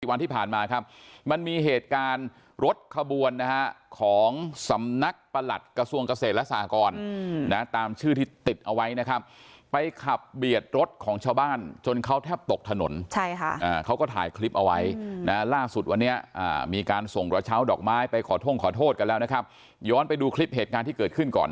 วันที่ผ่านมาครับมันมีเหตุการณ์รถขบวนนะฮะของสำนักประหลัดกระทรวงเกษตรและสหกรนะตามชื่อที่ติดเอาไว้นะครับไปขับเบียดรถของชาวบ้านจนเขาแทบตกถนนใช่ค่ะเขาก็ถ่ายคลิปเอาไว้นะล่าสุดวันนี้มีการส่งกระเช้าดอกไม้ไปขอท่งขอโทษกันแล้วนะครับย้อนไปดูคลิปเหตุการณ์ที่เกิดขึ้นก่อน